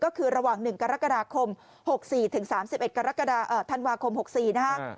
ก็คือระหว่างหนึ่งกรกฎาคมหกสี่ถึงสามสิบเอ็ดกรกฎาเอ่อธันวาคมหกสี่นะฮะ